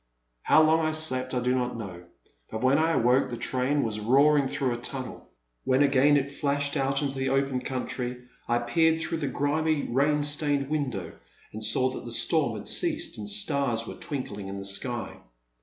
How long I slept I do not know, but when I awoke, the train was roaring through a tunnel. When again it flashed out into the open country, I peered through the grimy rain stained window and saw that the storm had ceased and stars were twinkling in the sky.